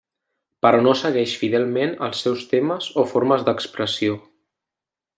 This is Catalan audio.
Però no segueix fidelment els seus temes o formes d’expressió.